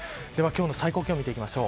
今日の最高気温です。